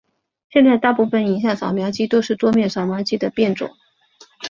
现在大部份影像扫描机都是桌面扫描机的变种。